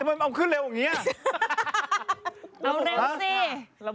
ดูใหม่อีกครั้งดีกว่า